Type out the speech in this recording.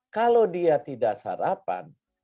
kalau dia tidak sarapan